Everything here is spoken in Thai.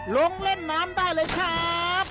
ลงเล่นน้ำได้เลยครับ